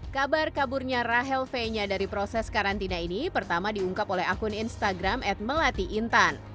kabar kaburnya rahel fenya dari proses karantina ini pertama diungkap oleh akun instagram at melati intan